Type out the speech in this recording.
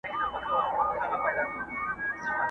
o په دوبي چيري وې، چي په ژمي راغلې٫